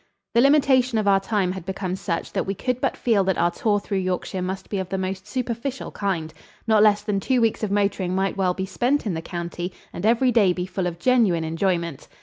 The limitation of our time had become such that we could but feel that our tour through Yorkshire must be of the most superficial kind. Not less than two weeks of motoring might well be spent in the county and every day be full of genuine enjoyment.